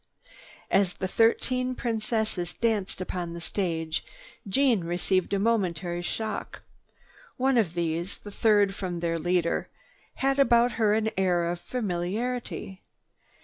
As the thirteen Princesses danced upon the stage, Jeanne received a momentary shock. One of these, the third from their leader, had about her an air of familiarity.